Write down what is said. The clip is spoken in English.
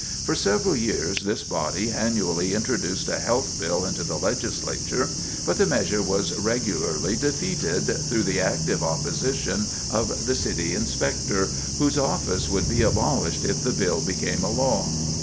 For several years this body annually introduced a health bill into the Legislature, but the measure was regularly defeated through the active opposition of the City Inspector, whose office would be abolished if the bill became a law.